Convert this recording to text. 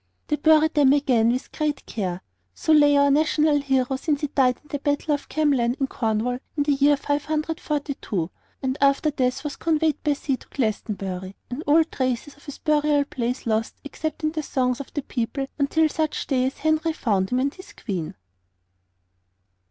They bury them again with great care. So lay our national hero since he died at the Battle of Camlan in Cornwall in the year 542, and after death was conveyed by sea to Glastonbury, and all traces of his burial place lost except in the songs of the people until such day as Henry found him and his Queen.